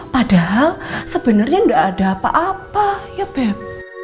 padahal sebenernya gak ada apa apa ya beb